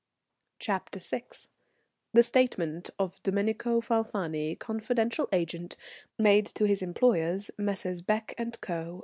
CHAPTER VI. [_The Statement of Domenico Falfani, confidential agent, made to his employers, Messrs. Becke and Co.